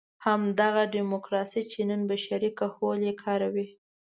همدغه ډیموکراسي چې نن بشري کهول یې کاروي.